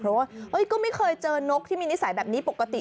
เพราะว่าก็ไม่เคยเจอนกที่มีนิสัยแบบนี้ปกติ